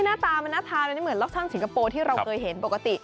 หน้าตามันน่าทานมันไม่เหมือนรอบช่างสิงคโปร์ที่เราเคยเห็นปกติ